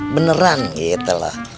beneran gitu loh